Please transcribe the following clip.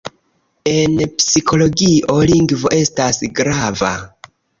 En psikologio lingvo estas grava.